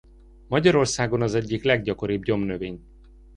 Magyarországon az egyik leggyakoribb gyomnövény.